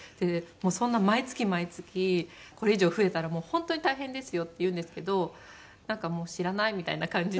「そんな毎月毎月これ以上増えたらもう本当に大変ですよ」って言うんですけどなんかもう知らないみたいな感じで。